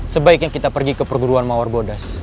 sebaiknya kita pergi ke perguruan mawar bodas